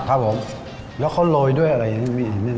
ครับผมแล้วเขาโรยด้วยอะไรเนี้ยมีอันนี้